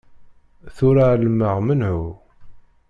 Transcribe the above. Tura εelmeɣ menhu.